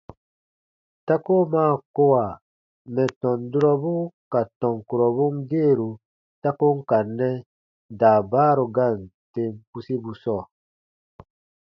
Ta koo maa kowa mɛ̀ tɔn durɔbu ka tɔn kurɔbun geeru ta ko n ka nɛ daabaaru gaan tem pusibu sɔɔ.